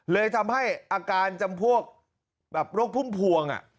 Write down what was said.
เลยทำให้อาการจำพวกแบบโรคพุ่มพวง